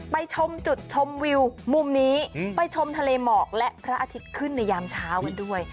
ชมจุดชมวิวมุมนี้ไปชมทะเลหมอกและพระอาทิตย์ขึ้นในยามเช้ากันด้วย